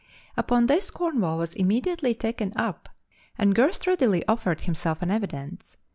Upon this Cornwall was immediately taken up and Girst readily offered himself an evidence.